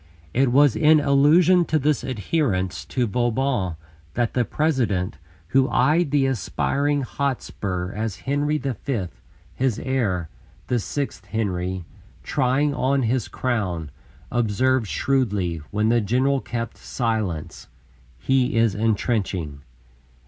It was in allusion to this adherence to Vauban that the President, who eyed the aspiring Hotspur as Henry V. his heir, the sixth Henry, trying on his crown, observed shrewdly, when the general kept silence: "He is entrenching."